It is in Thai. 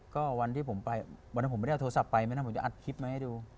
ก็วันที่ผมไปวันนั้นผมไม่ได้เอาโทรศัพท์ไปไหมนะผมจะอัดคลิปมาให้ดู